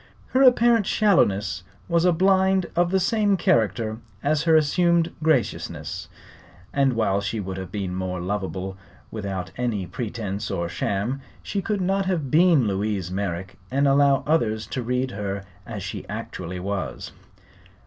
Her apparent shallowness was a blind of the same character as her assumed graciousness, and while she would have been more lovable without any pretence or sham she could not have been Louise Merrick and allow others to read her as she actually was.